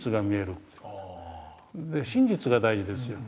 真実が大事ですよ